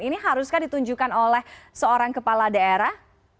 ini haruskah ditunjukkan oleh seorang kepala daerah